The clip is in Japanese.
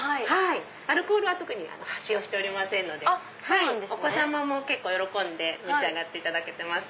アルコールは特に使用しておりませんのでお子さまも結構喜んで召し上がっていただけてます。